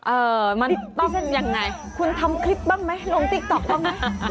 เอ่อมันต้องยังไงคุณทำคลิปบ้างไหมลงติ๊กต๊อกบ้างไหม